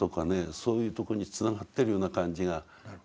そういうところにつながってるような感じがしてならない。